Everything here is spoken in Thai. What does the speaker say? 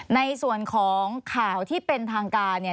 ในส่วนของข่าวที่เป็นทางการเนี่ย